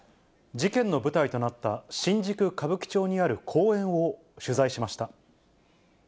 事件の舞台となった、新宿・歌舞伎町にある公園を取材しました。